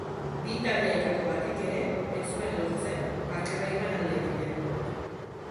Bi taldeetako batek ere ez zuen lortzen markagailuan alde egitea.